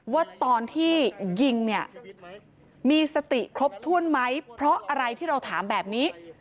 ว่าตอนที่ยิงเนี่ยมีสติครบถ้วนไหมเพราะอะไรที่เราถามแบบนี้